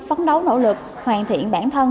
phấn đấu nỗ lực hoàn thiện bản thân